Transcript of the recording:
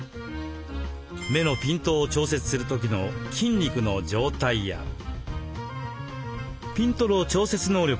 目のピントを調節する時の筋肉の状態やピントの調節能力を検査。